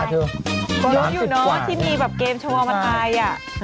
ยกอยู่เนอะที่มีแบบเกมชัวร์มาถ่าย